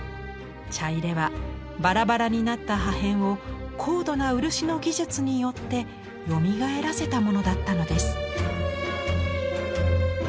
茶入はバラバラになった破片を高度な漆の技術によってよみがえらせたものだったのです。